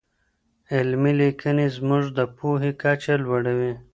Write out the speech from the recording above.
علمي لیکنې زموږ د پوهې کچه لوړوي.